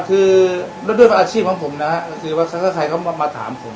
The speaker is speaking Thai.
คือเดือบว่าอาชีพของผมนะครับคือว่าค่ะซะใครเขามามาถามผม